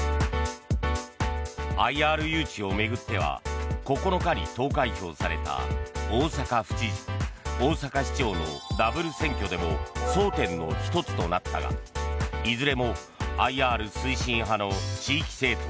ＩＲ誘致を巡っては９日に投開票された大阪府知事、大阪市長のダブル選挙でも争点の１つとなったがいずれもＩＲ推進派の地域政党